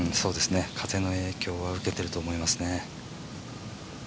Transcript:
風の影響は受けてると思いますね。